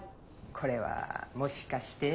これはもしかして。